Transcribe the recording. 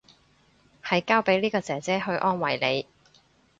係交俾呢個姐姐去安慰你